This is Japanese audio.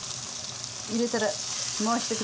入れたら回して下さいよ。